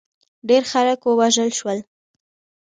ډېر خلک ووژل شول.